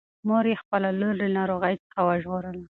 مور یې خپله لور له ناروغۍ څخه ژغورله.